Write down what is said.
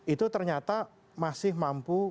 itu ternyata masih mampu